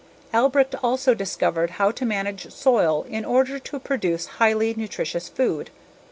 Albrecht also discovered how to manage soil in order to produce highly nutritious food.